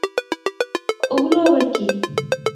ওগুলো আবার কী?